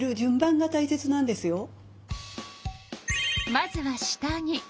まずは下着。